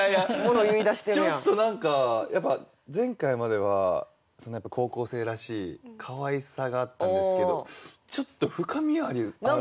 ちょっと何かやっぱ前回までは高校生らしいかわいさがあったんですけどちょっと深みあるなって。